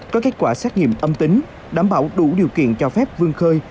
có kết quả xét nghiệm âm tính đảm bảo đủ điều kiện cho phép vương khơi